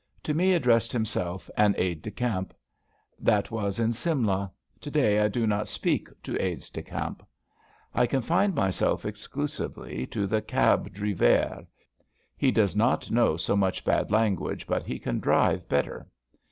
To me addressed himself an Aide de Camp. That was in Simla. To day I do not speak to Aides de Camp. I confine myself exclusively to the cab drivaire. He does not know so much bad language, but he can drive better.